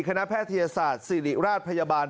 แพทยศาสตร์ศิริราชพยาบาล